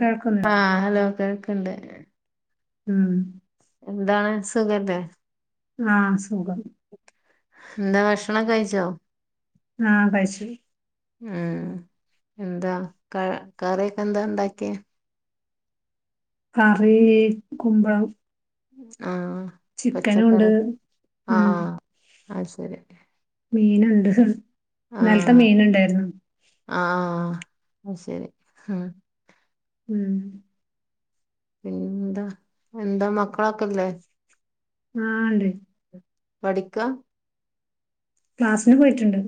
കേൾക്കുന്നില്ലേ ആഹ് ഹലോ കേൾക്ക്ണ്ട് ഉം എന്താണ് സുഖല്ലേ ആഹ് സുഖം എന്താ ഭക്ഷണം ഒക്കെ കയിച്ചോ ആഹ് കഴിച്ചു ഉം എന്താ ക കറിയെക്കെ എന്താ ഇണ്ടാക്കിയേ കറീ കുമ്പളം ആഹ് ചിക്കനും ഉണ്ട് പച്ചക്കറി ഉം ആഹ് അത് ശരി മീനുണ്ട് ഇന്നെൽത്തെ മീന് ഇണ്ടായിരുന്നു ആഹ് ആഹ് അത്‌ ശരി ഉം ഉം പിന്നെന്താ എന്താ മക്കളൊക്കെ ഇല്ലേ ആഹ് ഇണ്ട് പഠിക്കാ ക്ലാസ്സിന് പോയിറ്റ് ഇണ്ട്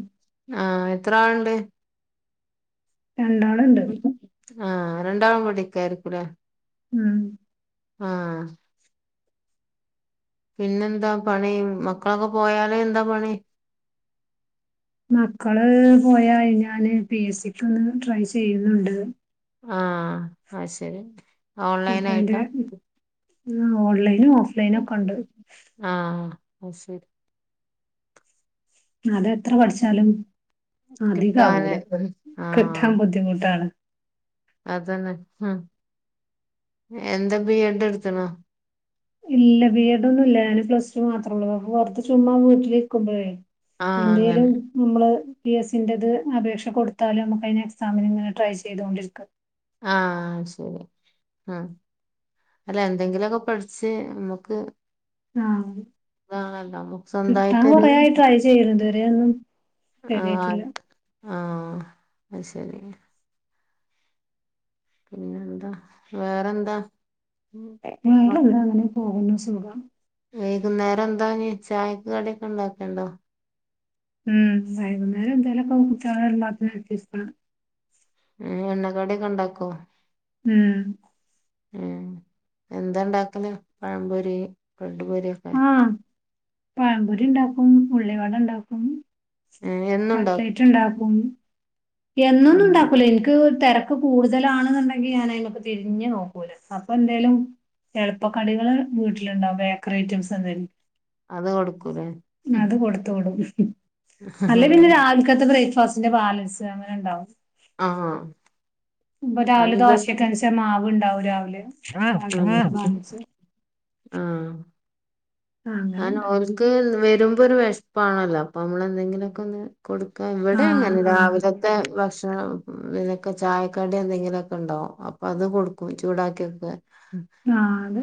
ആഹ് എത്ര ആള് ഇണ്ട് രണ്ടാള് ഇണ്ട് ആഹ് രണ്ടാളും പഠിക്കായിരിക്കുല്ലേ ഉം ആഹ് പിന്നെന്താ പണി മക്കളൊക്കെ പോയാല് എന്താ പണി മക്കള് പോയാൽ ഞാന് പി എസ് സിക്ക് ഒന്ന് ട്രൈ ചെയ്യുന്നുണ്ട് ആഹ് അത്‌ ശരി ഓൺലൈൻ അപ്പ അയിന്റെ ആയിട്ടാ ഓൺലൈനും ഓഫ് ലൈനും ഒക്കെ ഉണ്ട് ആഹ് അത് ശരി അതെത്ര പഠിച്ചാലും അധികം കിട്ടാന് ആവൂല കിട്ടാൻ ആഹ് ബുദ്ധിമുട്ടാണ് അതന്നെ [unintelligible] എന്താ ബിഎ ഡ് എടുത്തുണ്ണോ ഇല്ല ബി എഡ് ഒന്നും ഇല്ല ഞാന് പ്ലസ്ടു മാത്ര ഉള്ളൂ അപ്പൊ പുറത്ത് ചുമ്മാ വീട്ടിലിരിക്കുമ്പഴേ ആഹ് എന്തേലും അങ്ങനെ നമ്മള് പി എ സ്സിന്റേത് അപേക്ഷ കൊടുത്താലും നമ്മുക്ക് അതിന് എക്സാമിന് ഇങ്ങനെ ട്രൈ ചെയ്തോ ണ്ടിരിക്കാം ആഹ് ശരി ആഹ് അല്ല എന്തെങ്കിലുമൊക്കെ പഠിച്ച് നമ്മക്ക് ആഹ് നമുക്ക് കിട്ടാൻ സ്വന്തമായിട്ടൊരു കുറെയായി ട്രൈ ചെയ്യുന്നു ഇതുവരെ ഒന്നും റെഡിയായിട്ടില്ല ആഹ് ആഹ് അത് ശരി പിന്നെന്താ വേറെന്താ ഉം. മക്ക് വേറെന്താ അങ്ങനെ പോകുന്നു സുഖം വൈകുന്നേരം എന്താ ഇനി ചായക്ക് കടിയൊക്കെ ഉണ്ടാക്കുന്നുണ്ടോ ഉം വൈകുന്നേരം എന്തേലും ഒക്കെ കുട്ടിയോള് വരുമ്പോഴ്ത്തിന് [unintelligible] ഏഹ് എണ്ണക്കടിയൊക്കെ ഉണ്ടാക്കോ ഉം ഏഹ് എന്താ ഉണ്ടാക്കല് പഴം പൊരി ബ്രെഡ്‌ പൊരി ആഹ് പഴംപൊരി ഉണ്ടാക്കും ഉള്ളി വട ഉണ്ടാക്കും ഏഹ് എന്നുണ്ടോ കട്ട്ലേറ്റ് ഉണ്ടാക്കും എന്നൊന്നും ഉം. ഉണ്ടാക്കൂല എനിക്ക് തിരക്ക ഇപ്പ കൂടുതലാണെന്നുണ്ടെങ്കി ഞാൻ [unintelligible] തിരിഞ്ഞു നോക്കൂല അപ്പൊ എന്തേലും എളുപ്പക്കടികള് വീട്ടിലുണ്ടാവും ബേക്കറി ഐറ്റംസ് എന്തേലും അത് കൊടുക്കൂലേ അത് കൊടുത്തോളും അല്ലെ പിന്നെ രാവിൽക്കത്തെ ബ്രേക്ക്ഫാസ്റ്റിന്റെ ബാലൻസ് അങ്ങനെ ഉണ്ടാവും ആഹ് ഇപ്പൊ രാവിലെ അതിപ്പ ദോശക്ക് അരച്ച മാവുണ്ടാവും രാവിലെ ബാലൻസ് [unintelligible] ആഹ് അങ്ങനെ അതിന് ഓൽക്ക് വരുമ്പൊ ഒരു വിശപ്പമാണല്ലോ അപ്പൊ നമ്മളെന്തെങ്കിലൊക്കെ ഒന്ന് കൊടുക്കാൻ ഇവിടെയും ആഹ് അങ്ങനെ ആഹ് രാവിലെ ത്തെ ഭക്ഷണം ഇതൊക്കെ ചായക്കടി എന്തെങ്കിലൊക്കെ ഉണ്ടാവും അപ്പോ അത് കൊടുക്കും ചൂടാക്കിയൊക്കെ നാള്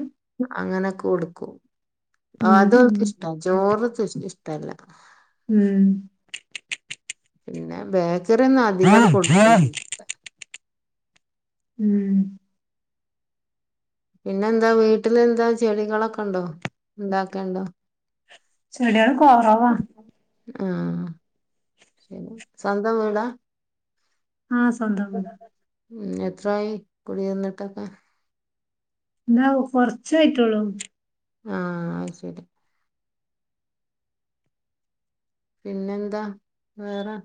അങ്ങനൊക്കെ കൊടുക്കും ഉം അത് ഉം അവൾക്കിഷ്ടാ ചോറ് [unintelligible] ഇഷ്ടല്ലാ ഉം പിന്നെ ബേക്കറി ഒന്നും അധികങ്ങട് [unintelligible] ഉം പിന്നെ എന്താ വീട്ടിലെന്താ ചെടികളൊക്കൊണ്ടോ ഉണ്ടാക്കേണ്ടോ ചെട്യാള് കൊറവാ ആഹ് ശെരി സ്വന്തം വീടാ ആഹ് സ്വന്തം വീടാ ഉം എത്രായി കുടിരുന്നിട്ടൊക്കെ ന്താവു കൊറച്ചായിട്ടോള്ളൂ ആഹ് അയ്ശെരി പിന്നെന്താ വേറെ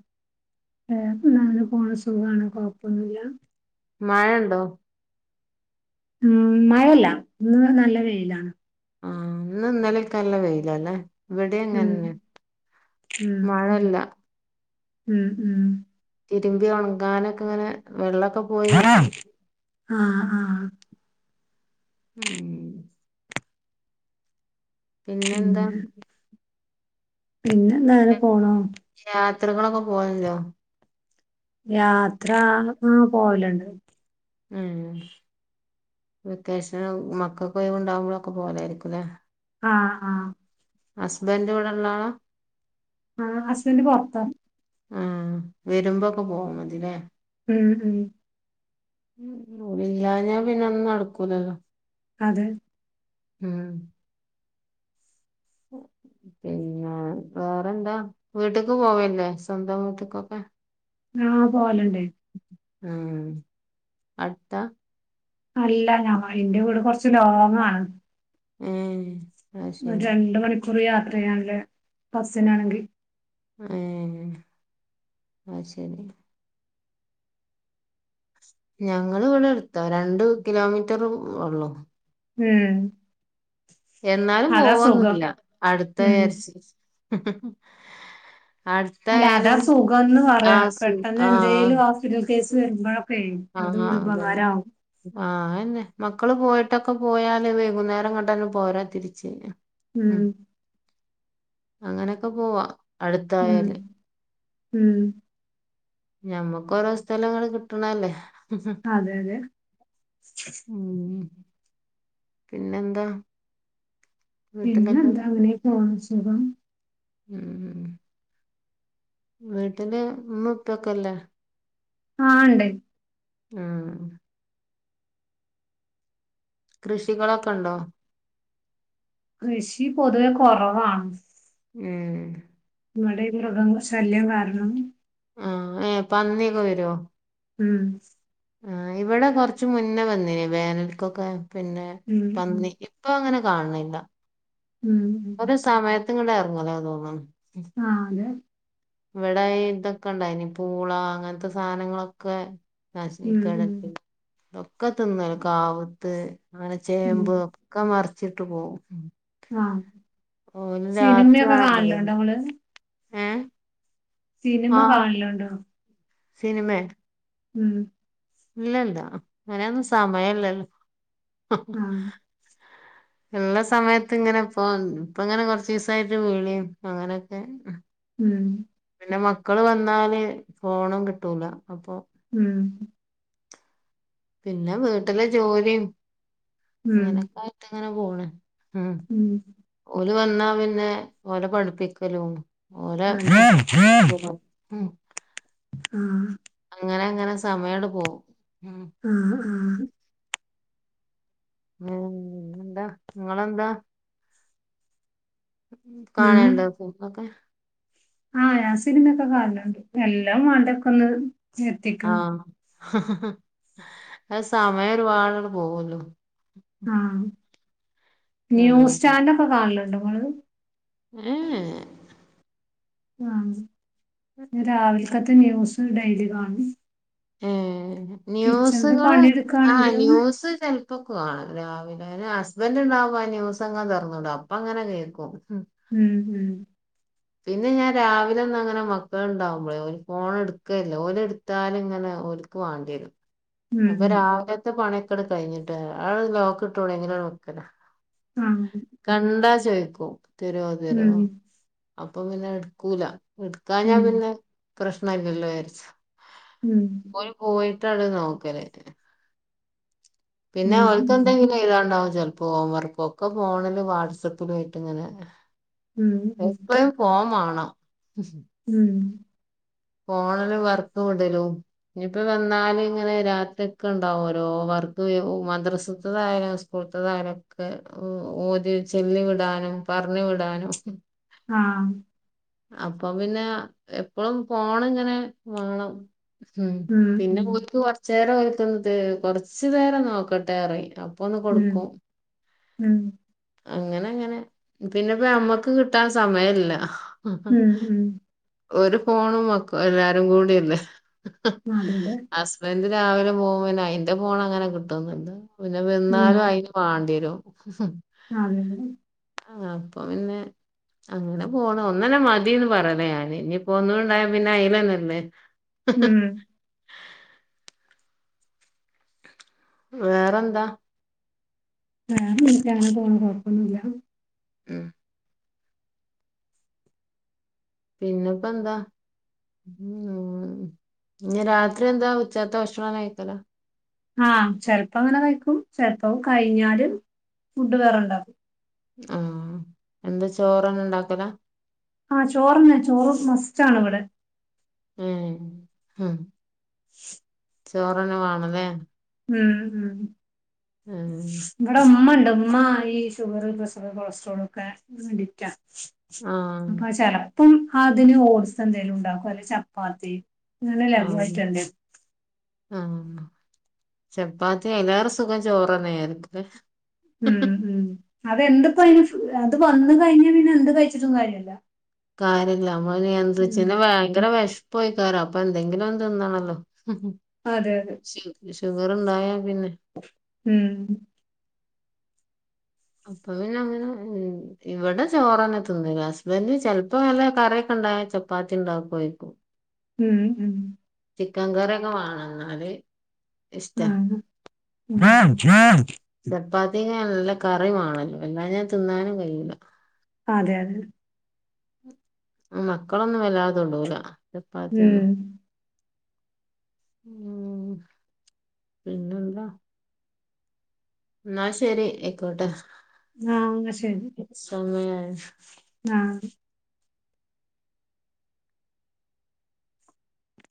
വേറെന്താ അങ്ങനെ പോണ് സുഖാണ് കൊഴപ്പൊന്നുല്ല മഴണ്ടോ ഉം മഴല്ല ഇന്ന് നല്ല വെയിലാണ് ആഹ് ഇന്നുംഇന്നലെക്കെ നല്ല വെയിലല്ലേ ഉം ഉം മഴല്ല ഉം ഉം തിരുമ്പി ഉണങ്ങാനൊക്കെങ്ങനെ വെള്ളൊക്കെ പോയി ആഹ് കിട്ടും ആഹ് ഉം പിന്നെന്താ പിന്നെന്താ അങ്ങനെ പോണു യാത്രകളൊക്കെ പോവലുണ്ടോ യാത്ര ഉം പോവലുണ്ട് ഉ വെക്കേഷന് മക്കൾകൊയ്‌വ്ണ്ടാവുമ്പോഴൊക്കെ പോവലായിരിക്കുംല്ലേ ആഹ് ആഹ് ഹസ്ബൻഡ് ഇവടെള്ളാളാ ആഹ് ഹസ്ബൻഡ് പൊറത്താ ആഹ് വെരുമ്പോക്കെ പോവാം മതില്ലേ ഉം ഉം ഓലില്ലാഞ്ഞാ പിന്നെ ഒന്നും നടക്കൂലല്ലോ അതെ ഉം പിന്നെ വേറെന്താ വീട്ടക്ക് പോവെല്ലേ സ്വന്തം വീട്ടക്കൊക്കെ ആഹ് പോവലണ്ട് അഹ് അട്ത്താ അല്ല ഞങ്ങ ഇന്റെ വീട് കൊർച്ച് ലോങ്ങാണ് ഉം ഒര് രണ്ട് മണിക്കൂറ് യാത്രയ്യാണ്ട് ബസിനാണെങ്കി ഏഹ് അയ്ശെരി ഞങ്ങള് ഇവിടെ അടുത്ത രണ്ട് കിലോമീറ്റർ ഉള്ളൂ ഉം. എന്നാലും അതാ സുഖം പോവന്നില്ല അടുത്ത ഉം വിചാരിച്ച് അല്ല അതാ അടുത്തായാലും സുഖംന്ന് ആഹ് സു ആഹ് ഒരു കേസ് വരുമ്പോഴൊക്കെ അത് ആഹ് ഒരു അതന്നെ ഉപകാരമാവും ആഹ് അങ്ങനതന്നെ മക്കള് പോയിട്ടൊക്കെ പോയാല് വൈകുന്നേരം ഇങ്ങോട്ടേക്ക് തന്നെ പോരാം തിരിച്ച് ഉം അങ്ങനെയൊക്കെ പോവാ ഉം അടുത്തായാല് ഉം ഞമ്മക്ക് ഓരോ സ്ഥലങ്ങള് കിട്ടണല്ലേ അതെ അതെ ഉം ഉം പിന്നെ എന്താ. പിന്നെ എന്താ അങ്ങനേ പോണ് സുഖം. ഉം ഉം വീട്ട്ല് മ്മിം ഉപ്പ്യൊക്കെല്ലേ ആഹ് ഇണ്ട് ആഹ് ആഹ് കൃഷികളൊക്കെ ഇണ്ടോ. കൃഷി പൊതുവെ കൊറവാണ്. ഏഹ് ഇവടെ ഈ മൃഗങ്ങളെ ശല്യം കാരണം. ആഹ് ഏഹ് പന്നിയൊക്കെ വെരോ ഉം. ആഹ് ഇവടെ കൊർച്ച് മുന്നെ വന്നീനിം വേനൽക്കൊക്കെ പിന്നെ ഉം ഉം പന്നി. ഇപ്പൊ അങ്ങനെ കാണണില്ല. ഉം ഉം ഉം ഒരു സമയത്ത് ഇങ്ങണ്ട് എറങ്ങലാ തോന്ന്ണ് ആഹ് അതെ. ഇവടെ ഈ ഇതൊക്കെ ഇണ്ടായ്നിം പൂള അങ്ങൻത്തെ സാനങ്ങളൊക്കെ. ഉം നശിപ്പിക്കാണ് ഉം പിന്നെ ഇതൊക്കെ തിന്നാണ് കാവ്ത്ത് അത്‌പോലെ ഉം ചേമ്പ് ഒ ഒക്കെ മറിച്ചിട്ട് പോവും ഉം. ആഹ് സിനിമ്യൊക്കെ രാത്രിയാണല്ലോ വര കാണല്ണ്ടൊ ഇങ്ങള്. ഏ സിനിമ കാണല്ണ്ടോ. സിനിമെ. ഉം. ഇല്ലല്ല അയ്നെഒന്നും സമയല്ലല്ലോ. ആ ഇള്ള സമയത്ത് ഇങ്ങനെ ഇപ്പൊ ഇപ്പ ഇങ്ങനെ കൊർച്ചീസായിട്ട് വിളിം അങ്ങനെയൊക്കെ അഹ് ഉം ഉം. പിന്നെ മക്കള് വന്നാല് ഫോണും കിട്ടൂല അപ്പൊ. ഉം. പിന്നെ വീട്ടിലെ ജോലിം ഉം അങ്ങനെയൊക്കായിട്ട് ഇങ്ങനെ പോണ് ഉം ഉം ഓല് വന്നാ പിന്നെ ഓലെ പഠിപ്പിക്കലും ഓലെ ഭക്ഷണം അതെ കൊട്ക്കലും. അഹ് ആഹ് അങ്ങനെ അങ്ങനെ സമയാണ്ട് പോവും ഉം ആഹ് ആഹ് അങ്ങനെ [unintelligible] പിന്നെപ്പെന്താ ഇങ്ങളെന്താ. ഉം കാണല്ണ്ടൊ സിൽമൊക്കെ ആഹ് ഞാൻ സിനിമയൊക്കെ കാണല്ണ്ട് എല്ലം വാണ്ടേ ഒക്കൊന്ന് ആഹ് അഹ് സമയം ഒരുപാട് ആണ്ട് പോവൊല്ലോ. ആഹ് പിന്നെ ഈ ആഹ് ന്യൂസ് ചാനലൊക്കെ കാണല്ണ്ടോ ഇങ്ങള് ഏഹ് യേ [unintelligible] ഞാൻ രാവിൽക്കത്തെ ന്യൂസ് ഡെയ്ലി കാണും ഏഹ് കിച്ചണില് ന്യൂസ്കള് ആഹ് പണിയെടുക്കാണെങ്കിലും ന്യൂസ് ചെൽ പ്പൊക്കെ കാണും രാവിലെ പിന്നെ ഹസ്ബന്റ് ഇണ്ടാവ്മ്പൊ ആ ന്യൂസങ്ങനെ തൊർന്നിടും അപ്പൊ അങ്ങനെ കേക്കും ഉം ഉം ഉം പിന്നെ ഞാൻ രാവിലെ ഒന്നങ്ങനെ മക്കള്ണ്ടാവുമ്പളേ ഒരു ഫോണെടുക്കേ ഇല്ല. ഓല് എട് ത്താല്ങ്ങനെ ഓല്ക്ക് വാണ്ടിയരും. അപ്പ ഉം രാവിലത്തെ പണിക്കെടുക്കല് കഴിഞ്ഞിട്ട് ആഹ് ലോക്ട്ടൂടെയ്‌ന് അനക്ക് ആഹ് കണ്ടാ ചോയ്ക്കും തരോ തരോ ഉം അപ്പം പിന്നെ എട്ക്കൂല. എട്ക്കാഞ്ഞ ഉം പിന്നെ പ്രശ്നല്ലല്ലോ വിചാരിച്ച്. ഉം ഓല് പോയിട്ടാണ് നോക്കല്. പിന്നെ ഉം ഓല്ക്ക് എന്തെങ്കിലും എഴുതാണ്ടാവും ചെലപ്പോ ഹോംവർക്ക്. ഒക്കെ ഫോണില് വാട്സപ്പിലായിട്ടിങ്ങനെ. ഉം ഉം ഉം [unintelligible] ഫോൺ വാണം. ഉം ഫോണില് വർക്ക് വിടലും ഇനിപ്പോ വന്നാല് ഇങ്ങനെ രാത്രിയോക്കെണ്ടാവും ഓരോ വർക്ക്. മദ്രസ്ത്തത് ആയാലും സ്കൂ ഓത്ത്കാര്ക്ക് ഒ ഓതി ചെല്ലി വിടാനും പറഞ്ഞു വിടാനും ആഹ് അപ്പൊ പിന്നെ എപ്പളും ഫോണ്ങ്ങനെ വേണം. ഉം പിന്നെ പൂതിയ്ക്ക് കൊറച്ചു നേരം ഓല് എടുത്തു കൊറച്ചു നേരം നോക്കട്ടെ പറയും. അപ്പൊന്ന് ഉം കൊടുക്കും. ഉം അങ്ങനങ്ങനെ, പിന്നെപ്പ നമ്മക്ക് കിട്ടാൻ സമയല്ല. ഉം ഉം ഒരു ഫോണും മക്ക എല്ലാരും കൂടിയല്ലേ അതെല്ലേ ഹസ്ബൻഡ് രാവിലെ പോകും. പിന്നെ അയിന്റെ ഫോണങ്ങനെ കിട്ടൊന്നുല്ല. പിന്നെ വന്നാലും അയി [unintelligible] ആഹ് ആതെ അതെ ആഹ് അപ്പൊ പിന്നെ അങ്ങനെ പോണ്. ഒന്നന്നെ മതിന്ന് പറയല ഞാന്. ഇനിയിപ്പോ ഒന്നും കൂടെ ഇണ്ടായ പിന്നെ അയ്ലന്നല്ലേ ഉം വേറെന്താ? വേറെന്നുല്ല. അങ്ങനെ പോണ് കൊഴപ്പൊന്നൂല്ല. ഉം പിന്നപ്പെന്താ? ഉം ഇനി രാത്രി എന്താ? ഉച്ചത്തെ ഭക്ഷണം കഴിക്കലാ ആഹ് ചെലപ്പങ്ങനെ കഴിക്കും. ചെലപ്പം കഴിഞ്ഞാല് ഫുഡ് വേറെണ്ടാക്കും. ആഹ് എന്ത ചോറ് അങ്ങനെണ്ടാക്കലാ? ആഹ് ചോറ്ന്നെ. ചോറ് മസ്റ്റാണിവിടെ. ഏഹ്, ആഹ് [unintelligible] ചോറന്നെ വാണല്ലേ? ഉം ഉം ഉം ഇവിടെ ഉമ്മണ്ട്. ഉമ്മ ഈ ഷുഗറ്, പ്രഷറ്, കൊളസ്ട്രോളക്കെ അടിറ്റാ. ആഹ് അപ്പ ചെലപ്പം അതിന് ഓട്സ് എന്തെങ്കിലും ഉണ്ടാക്കും അല്ലങ്കി ചപ്പാത്തി അങ്ങനെ ആഹ് ലഘുവായിട്ട് എന്തേലും ആഹ് ചപ്പാത്തി അയിലേറെ സുഖം ചോറ്ന്നെ ആയിരിക്കൂല്ലേ. ഉം ഉം അതെന്ത്‌പ്പയ്ന് അത് വന്ന് കഴിഞ്ഞാ പിന്നെ എന്ത് കഴിച്ചിട്ടും കാര്യല്ല കാര്യല്ല നമ്മ ഉം നിയന്ത്രിച്ചന്നെ പിന്നെ ഭയങ്കര വിഷ പോയികാരോ അപ്പൊ എന്തെങ്കിലും ഒന്ന് തിന്നണല്ലൊ അതെ അതെ ഷു ഷുഗറ്ണ്ടായാ പിന്നെ ഉം അപ്പൊ പിന്നങ്ങനെ ഉം ഇവിടെ ചോറന്നെ തിന്നല് ഹസ്ബന്റ് ചെൽപ്പോ നല്ല കറിയൊക്കെ ഉണ്ടായ ചപ്പാത്തി ഉണ്ടാക്കൊയിക്കും ഉം ഉം ചിക്കൻ കറിക്കൊ വാണെന്നാല് ആണ് ചപ്പാത്തി നല്ല കറിവാണല്ലോ എല്ലാഞ്ഞ തിന്നാനും കഴിയൂല അതെ അതെ മക്കളൊന്നും വല്ലാ തൊടൂല ചപ്പാത്തിയൊന്നും ഉം പിന്നെന്താ ഇന്നാ ശെരി അയിക്കോട്ടെ ആഹ് ഇന്ന ശരി സമയായി ആഹ്